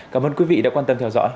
cảm ơn quý vị đã quan tâm theo dõi